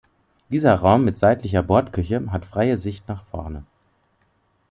Dieser Raum mit seitlicher Bordküche hat freie Sicht nach vorne.